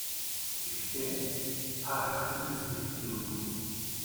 Гэхдээ та хэрхэн мэдсэнээ хэлж өгнө үү.